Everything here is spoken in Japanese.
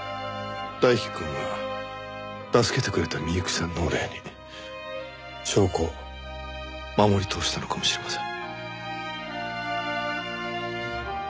大樹くんは助けてくれた美由紀さんのお礼に証拠を守り通したのかもしれません。